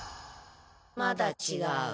まだちがう。